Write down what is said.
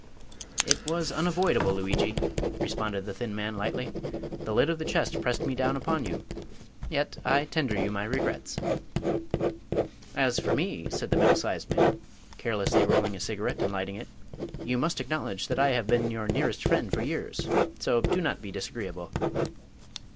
"It was unavoidable, Luigi," responded the thin man, lightly; "the lid of the chest pressed me down upon you. Yet I tender you my regrets." "As for me," said the middle sized man, carelessly rolling a cigarette and lighting it, "you must acknowledge I have been your nearest friend for years; so do not be disagreeable."